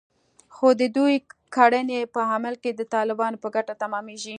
خو د دوی کړنې په عمل کې د طالبانو په ګټه تمامېږي